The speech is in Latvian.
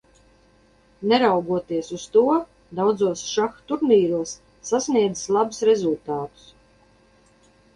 Neraugoties uz to, daudzos šaha turnīros sasniedzis labus rezultātus.